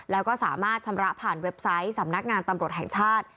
แล้วก็สามารถชำระผ่านเว็บไซต์สำนักงานตำรวจแห่งชาติ